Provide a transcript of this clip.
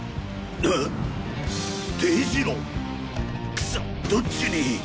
くそっどっちに！？